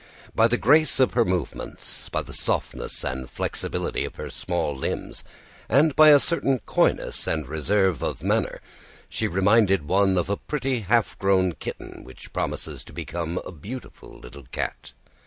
By the grace of her movements, by the softness and flexibility of her small limbs, and by a certain coyness and reserve of manner, she reminded one of a pretty, half grown kitten which promises to become a beautiful little cat.